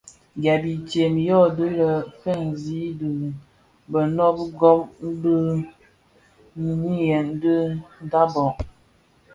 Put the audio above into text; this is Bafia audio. Gam intsem yödhi lè yo fènzi bidönög gom di niyeñi di badag.